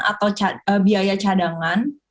atau biaya cadangan